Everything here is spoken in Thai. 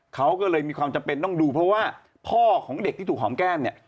เขาก็เลยมีความจำเป็นต้องดูเพราะว่าพ่อของเด็กที่ถูกหอมแก้มเนี่ย